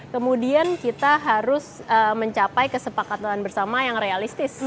kemudian kita harus mencapai kesepakatan bersama yang realistis